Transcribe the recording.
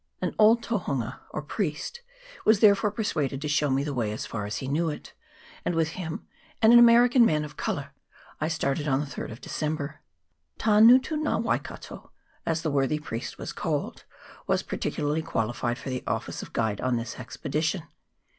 An old Tohunga, or priest, was therefore persuaded to show me the way as far as he knew it, and with him, and an American man of colour, I started on the 3rd of December. Tangutu na Waikato, as the worthy priest was called, was particularly qua lified for the office of guide on this expedition.